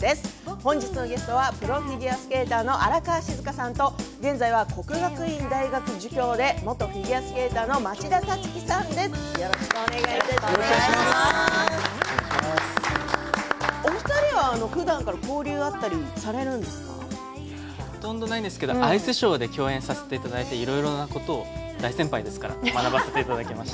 本日のゲストはプロフィギュアスケーターの荒川静香さんと現在は國學院大學助教で元フィギュアスケーターの町田樹さんです。